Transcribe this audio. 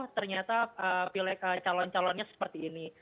ternyata pilih calon calonnya seperti ini